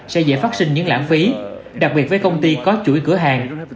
sẽ dễ phát sinh những lãng phí đặc biệt với công ty có chuỗi cửa hàng